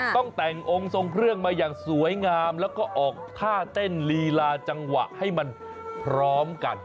ต้องแต่งองค์ทรงเครื่องมาอย่างสวยงามแล้วก็ออกท่าเต้นลีลาจังหวะให้มันพร้อมกัน